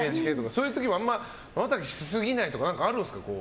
そういう時もまばたきしすぎないとかあるんですか。